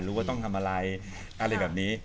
ว่าต้องทำอะไรอะไรแบบนี้